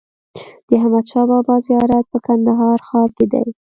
د احمدشاه بابا زيارت په کندهار ښار کي دئ.